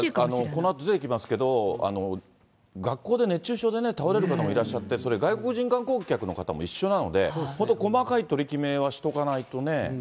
このあと出てきますけど、学校で熱中症で倒れる方もいらっしゃって、それ、外国人観光客の方も一緒なので、本当、細かい取り決めはしておかないとね。